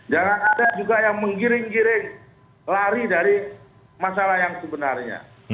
jangan ada juga yang menggiring giring lari dari masalah yang sebenarnya